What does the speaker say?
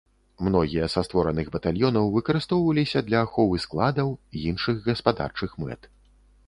Многія са створаных батальёнаў выкарыстоўваліся для аховы складаў, іншых гаспадарчых мэт.